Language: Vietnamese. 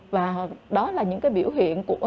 và đó là những cái biểu hiện của